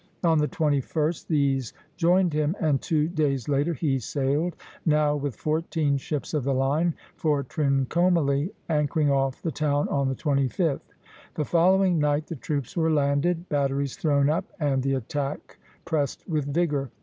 On the 21st, these joined him; and two days later he sailed, now with fourteen ships of the line, for Trincomalee, anchoring off the town on the 25th. The following night the troops were landed, batteries thrown up, and the attack pressed with vigor.